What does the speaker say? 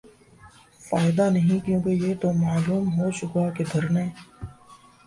فائدہ نہیں کیونکہ یہ تو معلوم ہوچکا کہ دھرنے